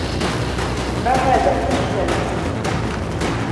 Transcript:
مَا هَذَا ؟ فَقِيلَ لَهَا